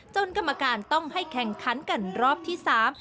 กรรมการต้องให้แข่งขันกันรอบที่สาม